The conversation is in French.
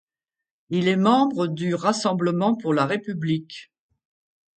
Il est membre du Rassemblement pour la République.